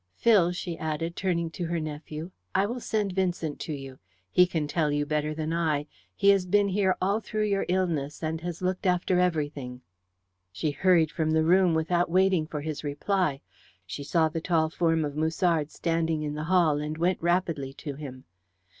Phil," she added, turning to her nephew, "I will send Vincent to you. He can tell you better than I. He has been here all through your illness, and has looked after everything." She hurried from the room without waiting for his reply. She saw the tall form of Musard standing in the hall, and went rapidly to him.